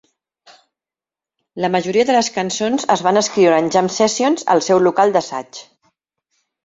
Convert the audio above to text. La majoria de les cançons es van escriure en jam sessions al seu local d'assaig.